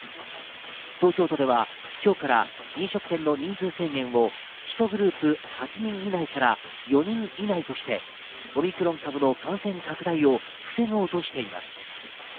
東京都では今日から飲食店の人数制限を１グループ８人以内から４人以内としてオミクロン株の感染拡大を防ごうとしています。